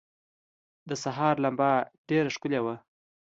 د سهار لمبه ډېره ښکلي وه.